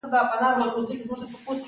که د اپرېل تر لومړۍ نېټې پر شا نه شي.